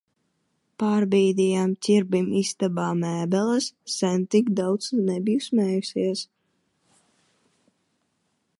Pārbīdījām Ķirbim istabā mēbeles, sen tik daudz nebiju smējusies.